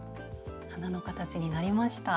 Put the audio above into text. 花の形になりました。